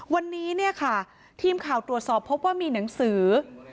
วันนี้เนี่ยค่ะทีมข่าวตรวจสอบพบว่ามีหนังสือ